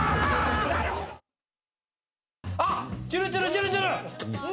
あっ、ちゅるちゅるちゅるちゅる。